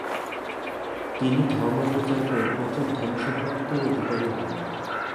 তিনি ধর্ম্প্রচার করে প্রচুর ধনসম্পত্তির অধিকারী হন।